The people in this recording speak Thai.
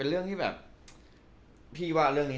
อะไรแบบนี้